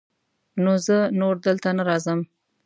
نو زه نور دلته نه راځم.